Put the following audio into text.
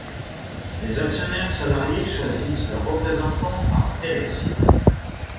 Les actionnaires salariés choisissent leurs représentants par élection.